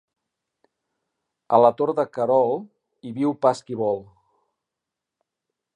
A la Tor de Querol hi viu pas qui vol.